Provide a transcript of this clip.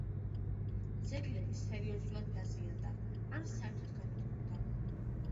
ძეგლები სერიოზულად დაზიანდა ან საერთოდ განადგურდა.